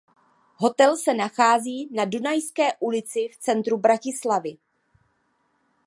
Hotel se nachází na Dunajské ulici v centru Bratislavy.